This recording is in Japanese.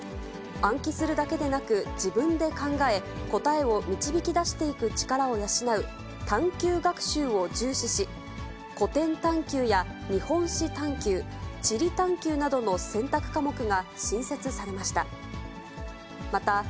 暗記するだけでなく、自分で考え、答えを導きだしていく力を養う探究学習を重視し、古典探究や日本史探究、地理探究などの選択科目が新設されました。